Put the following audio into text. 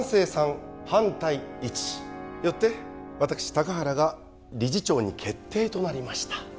高原が理事長に決定となりました